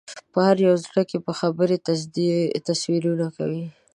په هر یو زړه کې به خبرې تصویرونه کوي